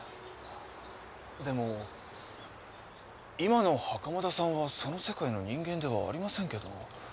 でも今の袴田さんはその世界の人間ではありませんけど。